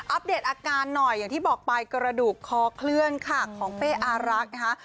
เดตอาการหน่อยอย่างที่บอกไปกระดูกคอเคลื่อนค่ะของเป้อารักษ์นะคะ